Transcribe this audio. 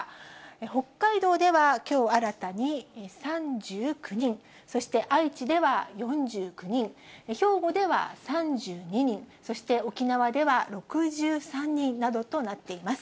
北海道ではきょう新たに３９人、そして愛知では４９人、兵庫では３２人、そして沖縄では６３人などとなっています。